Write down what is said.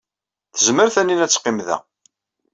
Tezmer Taninna ad teqqim da.